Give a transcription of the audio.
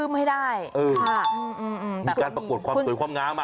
มีการประกวดความสวยความงามมา